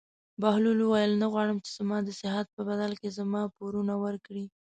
بهلول وویل: نه غواړم چې زما د نصیحت په بدله کې زما پورونه ورکړې.